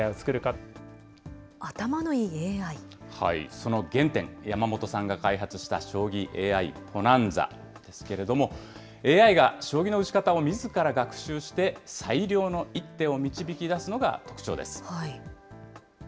その原点、山本さんが開発した将棋ＡＩ、Ｐｏｎａｎｚａですけれども、ＡＩが将棋の打ち方をみずから学習して、最良の一手を導き出すのが特徴です。